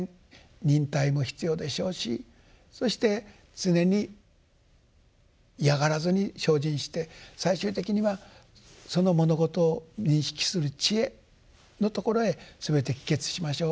忍耐も必要でしょうしそして常に嫌がらずに精進して最終的にはその物事を認識する智慧のところへすべて帰結しましょう。